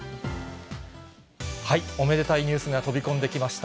おめでたいニュースが飛び込んできました。